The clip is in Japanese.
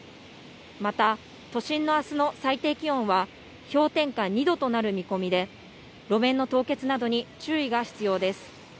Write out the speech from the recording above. また、都心のあすの最低気温は、氷点下２度となる見込みで、路面の凍結などに注意が必要です。